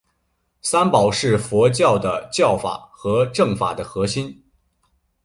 三宝是佛教的教法和证法的核心。